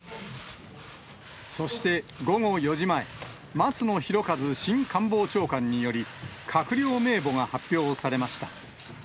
そして午後４時前、松野博一新官房長官により、閣僚名簿が発表されました。